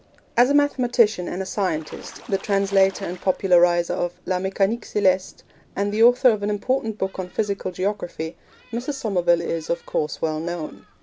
As a mathematician and a scientist, the translator and populariser of La Mecanique Celeste, and the author of an important book on physical geography, Mrs. Somerville is, of course, well known.